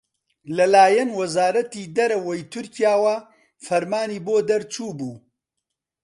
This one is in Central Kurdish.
لەلایەن وەزارەتی دەرەوەی تورکیاوە فرمانی بۆ دەرچووبوو